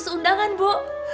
lima ratus undangan bu